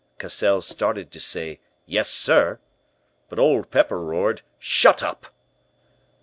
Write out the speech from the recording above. "Cassell started to say, 'Yes, sir.' "But Old Pepper roared, 'Shut up!'